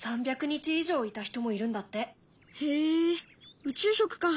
へえ宇宙食か。